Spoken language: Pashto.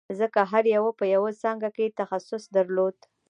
ځکه هر یوه په یوه څانګه کې تخصص درلود